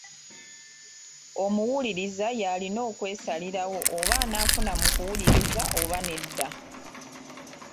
Omuwuliriza y’alina okwesalirawo oba anaafuna mu kuwuliriza oba nedda.